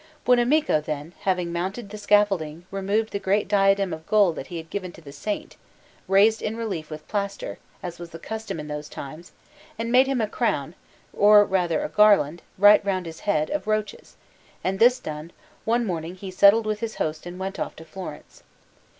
Buonamico, then, having mounted the scaffolding, removed the great diadem of gold that he had given to the Saint, raised in relief with plaster, as was the custom in those times, and made him a crown, or rather garland, right round his head, of roaches; and this done, one morning he settled with his host and went off to Florence.